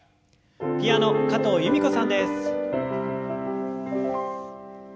ピアノ加藤由美子さんです。